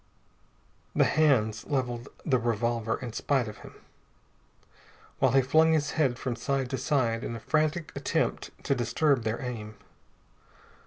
_"The hands leveled the revolver in spite of him, while he flung his head from side to side in a frantic attempt to disturb their aim.